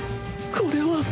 これは